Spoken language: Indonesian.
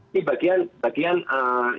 ini bagian yang misalnya setara